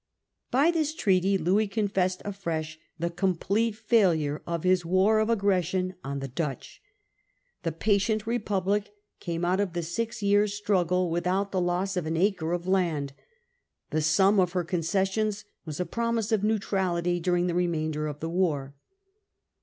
By this treaty Louis confessed afresh the complete failure of his war of aggression on the Dutch. The patient Republic came out of the six years' struggle without the loss of an acre of land ; the sum of her concessions was a promise of neutrality during the re mainder of the war.